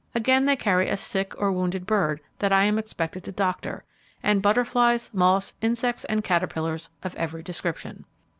Again they carry a sick or wounded bird that I am expected to doctor; and butterflies, moths, insects, and caterpillars of every description.